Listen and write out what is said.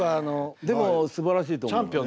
でもすばらしいと思う。